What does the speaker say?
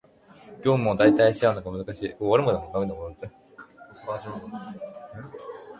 業務を代替し合うのが難しい